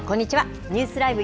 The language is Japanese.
ニュースＬＩＶＥ！